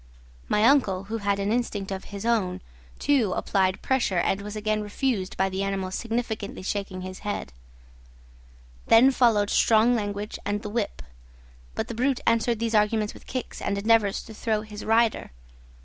My uncle, who had an instinct of his own, too, applied pressure, and was again refused by the animal significantly shaking his head. Then followed strong language, and the whip; but the brute answered these arguments with kicks and endeavours to throw his rider.